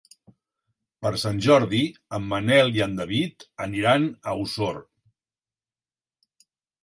Per Sant Jordi en Manel i en David aniran a Osor.